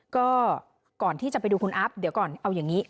ก็ก่อนที่จะไปดูคุณอัพเดี๋ยวก่อนเอาอย่างนี้